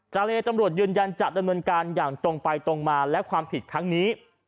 ชาเลเมื่อตำรวจยืนยันจัดดะเมลินการอย่างตรงไปตรงมาและความผิดทั้งนี้